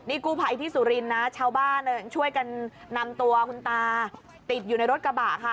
นี่กู้ภัยที่สุรินทร์นะชาวบ้านช่วยกันนำตัวคุณตาติดอยู่ในรถกระบะค่ะ